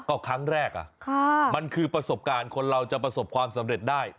ก็ครั้งแรกมันคือประสบการณ์คนเราจะประสบความสำเร็จได้